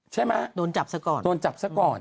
ใช่ไหมโดนจับซะก่อนโดนจับซะก่อน